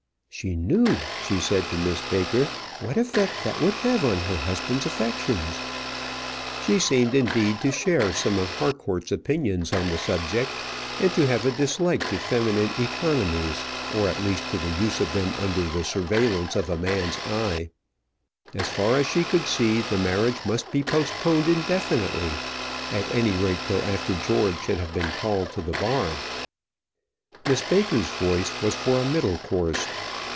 "She knew," she said to Miss Baker, "what effect that would have on her husband's affections." She seemed, indeed, to share some of Harcourt's opinions on the subject, and to have a dislike to feminine economies, or at least to the use of them under the surveillance of a man's eye. As far as she could see, the marriage must be postponed indefinitely at any rate, till after George should have been called to the bar. Miss Baker's voice was for a middle course.